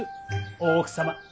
大奥様。